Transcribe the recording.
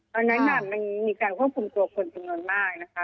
ตอนนั้นมันมีการควบคุมตัวคนจำนวนมากนะคะ